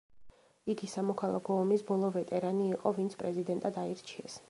იგი სამოქალაქო ომის ბოლო ვეტერანი იყო, ვინც პრეზიდენტად აირჩიეს.